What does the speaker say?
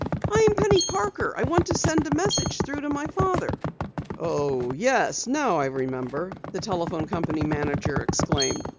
"I'm Penny Parker. I want to get a message through to my father." "Oh, yes, now I remember!" the telephone company manager exclaimed.